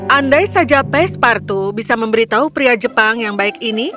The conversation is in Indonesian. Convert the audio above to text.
andai saja pespartu bisa memberitahu pria jepang yang baik ini